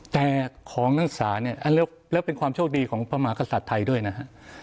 แต่ของนักศึกษาเนี่ยแล้วเป็นความโชคดีของพระมหากษัตริย์ไทยด้วยนะฮะ